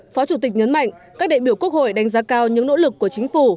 phó chủ tịch nhấn mạnh các đại biểu quốc hội đánh giá cao những nỗ lực của chính phủ